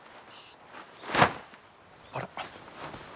あら？